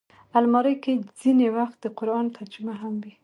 الماري کې ځینې وخت د قرآن ترجمه هم وي